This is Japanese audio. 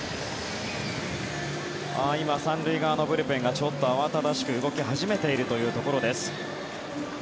今、３塁側のブルペンが慌ただしく動き始めているというところです。